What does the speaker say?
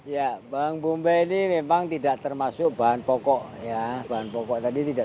ya bawang bombay ini memang tidak termasuk bahan pokok